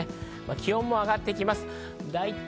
気温も上がっていきます。